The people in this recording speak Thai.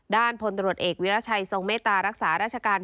พลตรวจเอกวิรัชัยทรงเมตตารักษาราชการ